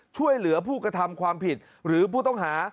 ช่วยเหลือผู้กระทำความผิดหรือผู้ต้องหา